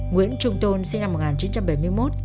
nguyễn trung tôn sinh năm một nghìn chín trăm bảy mươi một